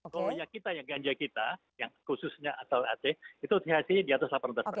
kalau yang kita yang ganja kita yang khususnya thc nya di atas delapan belas